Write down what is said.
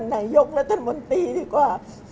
ต้นไนยกและท่านมนตรีดีกว่า